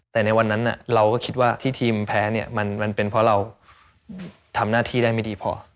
แต่ในวันนั้นเราก็คิดว่าที่ทีมแพ้เนี่ยมันเป็นเพราะเราทำหน้าที่ได้ไม่ดีพอ